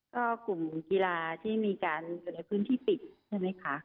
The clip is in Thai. ก็กลุ่มกีฬาที่มีการอยู่ในพื้นที่ปิดใช่ไหมคะ